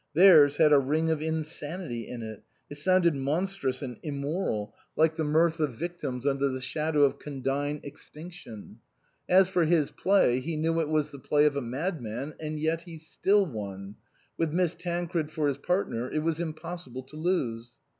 Theirs had a ring of insanity in it ; it sounded monstrous and immoral, like the mirth 31 THE COSMOPOLITAN of victims under the shadow of condign extinc tion. As for his play, he knew it was the play of a madman. And yet he still won ; with Miss Tancred for his partner it was impossible to lose.